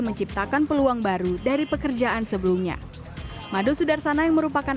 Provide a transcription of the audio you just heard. menciptakan peluang baru dari pekerjaan sebelumnya madu sudarsana yang merupakan